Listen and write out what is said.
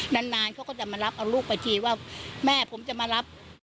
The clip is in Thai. นานเขาก็จะมารับเอาลูกไปทีว่าแม่ผมจะมารับ